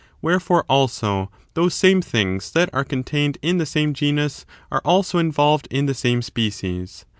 Wherefore, also, those same things that are contained in the same genus are also involved in the same species.